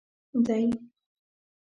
دی.